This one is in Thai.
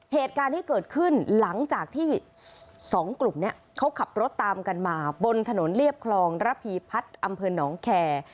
เหตุการณ์ที่เกิดขึ้นหลังจากที่สองกลุ่มนี้เขาขับรถตามกันมาบนถนนเรียบคลองระพีพัฒน์อำเภอหนองแคร์